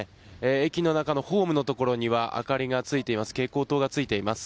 駅の中のホームのところには明かりがついています。